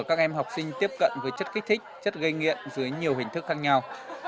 các em học sinh tiếp cận với chất kích thích chất gây nghiện dưới nhiều hình thức khác nhau